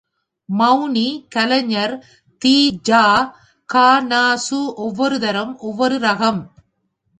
மெளனி, கலைஞர், தி.ஜா, க.நா.சு ஒவ்வொருத்தரும் ஒவ்வொரு ரகம்.